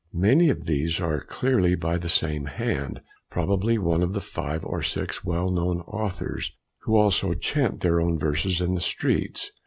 Many of these are clearly by the same hand, probably one of the five or six well known authors, who also chaunt their own verses in the streets.